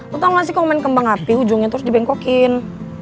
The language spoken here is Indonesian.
lu tau gak sih kalau main kembang api ujungnya terus dibengkokin